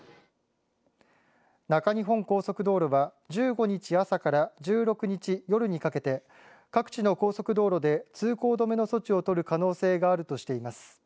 中日本高速道路は１５日朝から１６日夜にかけて各地の高速道路で通行止めの措置を取る可能性があるとしています。